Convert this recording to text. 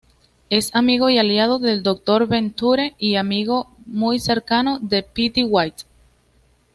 Es amigo y aliado de el Dr.Venture y amigo muy cercano de Pete White.